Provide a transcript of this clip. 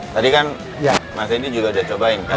tadi kan mas ini juga udah cobain kan